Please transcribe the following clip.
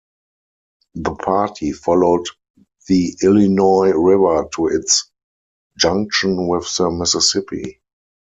The party followed the Illinois River to its junction with the Mississippi.